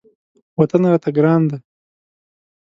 وطن راته ګران دی.